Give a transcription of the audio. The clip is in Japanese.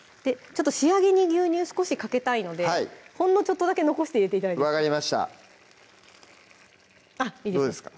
ちょっと仕上げに牛乳少しかけたいのでほんのちょっとだけ残して頂いて分かりましたどうですか？